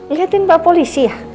lihatin pak polisi ya